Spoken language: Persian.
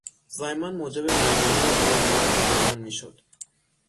زایمان موجب مرگ و میر زیادی نزد زنان میشد.